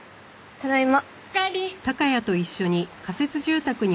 ただいま。